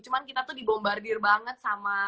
cuman kita tuh dibombardir banget sama